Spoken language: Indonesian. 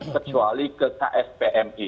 kecuali ke kspmi